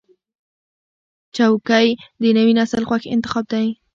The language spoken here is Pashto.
چوکۍ د نوي نسل خوښ انتخاب دی.